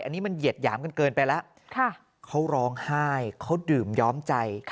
อันนี้มันเหยียดหยามกันเกินไปแล้วเขาร้องไห้เขาดื่มย้อมใจ